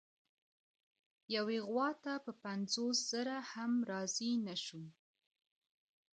یوې غوا ته په پنځوس زره هم راضي نه شو.